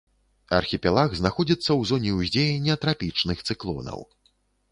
Архіпелаг знаходзіцца ў зоне ўздзеяння трапічных цыклонаў.